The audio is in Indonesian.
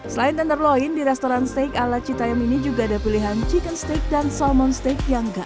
selain tenderloin di restoran steak ala citaem ini juga ada pilihan chicken steak dan salmon steak yang gak